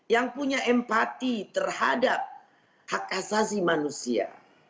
yang punya empati terhadap hak asasi manusia